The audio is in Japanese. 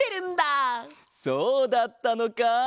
そうだったのか！